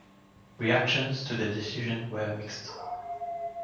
Reactions to the decision were mixed.